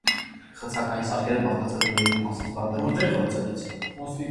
Խցակային սարքերը բաղկացած են երկու մասից՝ վարդակից և խրոցակից։